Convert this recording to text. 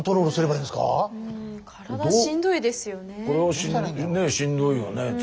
これはねしんどいよね。